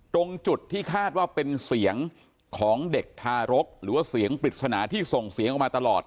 ตรงจุดที่คาดว่าเป็นเสียงของเด็กทารกหรือว่าเสียงปริศนาที่ส่งเสียงออกมาตลอด